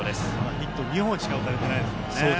ヒット２本しか打たれてないですもんね。